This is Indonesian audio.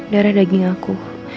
darah daging aku